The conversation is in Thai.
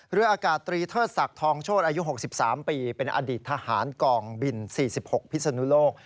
เรืออากาศตรีเทิดศักดิ์ทองโชธอายุ๖๓ปีเป็นอดีตทหารกองบิน๔๖พิศนุโลก